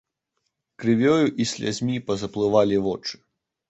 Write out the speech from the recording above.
Крывёю і слязьмі пазаплывалі вочы.